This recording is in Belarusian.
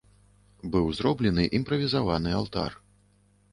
Быў зроблены імправізаваны алтар.